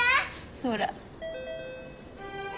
ほら。